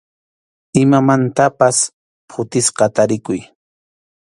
Imamantapas phutisqa tarikuy.